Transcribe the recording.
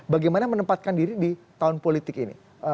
bagaimana menempatkan diri di tahun politik ini